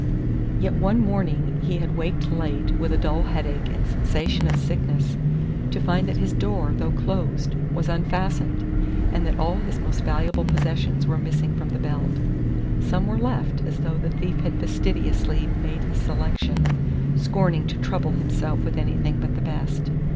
Yet one morning he had waked late, with a dull headache and sensation of sickness, to find that his door, though closed, was unfastened, and that all his most valuable possessions were missing from the belt. Some were left, as though the thief had fastidiously made his selection, scorning to trouble himself with anything but the best.